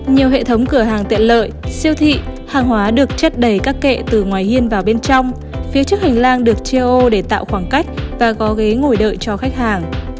nhiều hệ thống cửa hàng tiện lợi siêu thị hàng hóa được chất đầy các kệ từ ngoài hiên vào bên trong phía trước hành lang được treo để tạo khoảng cách và có ghế ngồi đợi cho khách hàng